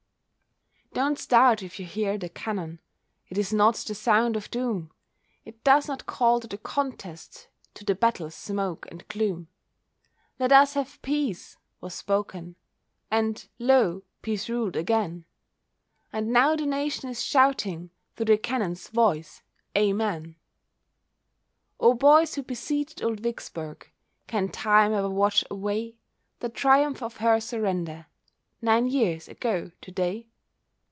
Don't start if you hear the cannon, It is not the sound of doom, It does not call to the contest— To the battle's smoke and gloom. "Let us have peace," was spoken, And lo! peace ruled again; And now the nation is shouting, Through the cannon's voice, "Amen." O boys who besieged old Vicksburgh, Can time e'er wash away The triumph of her surrender, Nine years ago to day?